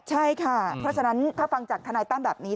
ใช่ค่ะเพราะฉะนั้นถ้าฟังจากทนายตั้มแบบนี้